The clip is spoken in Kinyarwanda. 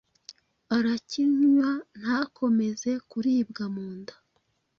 arakinywa ntakomeze kuribwa mu nda